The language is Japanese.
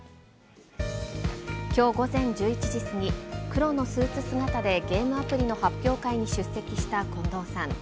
きょう午前１１時過ぎ、黒のスーツ姿でゲームアプリの発表会に出席した近藤さん。